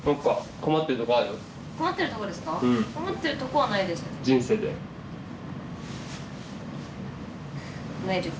困ってるとこはないです。